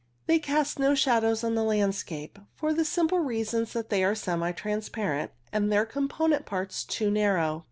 They cast no shadows on the landscape, for the simple reasons that they are semi transparent and their component parts too narrow.